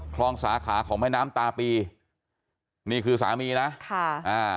สาขาของแม่น้ำตาปีนี่คือสามีนะค่ะอ่า